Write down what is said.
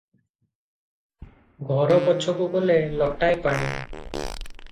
ଘର ପଛକୁ ଗଲେ ଲୋଟାଏ ପାଣି ।